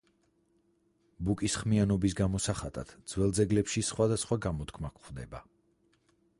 ბუკის ხმიანობის გამოსახატად ძველ ძეგლებში სხვადასხვა გამოთქმა გვხდება.